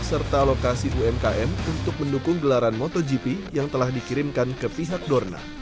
serta lokasi umkm untuk mendukung gelaran motogp yang telah dikirimkan ke pihak dorna